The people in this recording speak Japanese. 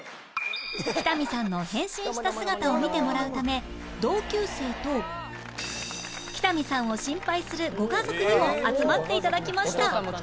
北見さんの変身した姿を見てもらうため同級生と北見さんを心配するご家族にも集まって頂きました